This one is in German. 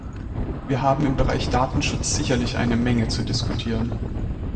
Wir haben im Bereich Datenschutz sicherlich eine Menge zu diskutieren.